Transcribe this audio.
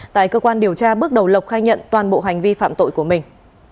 tại cơ quan điều tra bước đầu lộc khai nhận toàn bộ hành vi phạm tội của mình